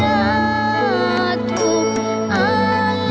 หว่างรักทุกอลุ